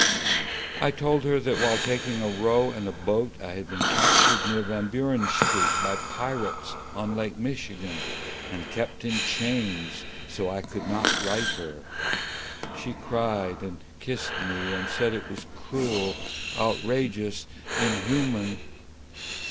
I told her that while taking a row in a boat I had been captured near Van Buren Street By pirates on Lake Michigan, And kept in chains, so I could not write her. She cried and kissed me, and said it was cruel, Outrageous, inhuman!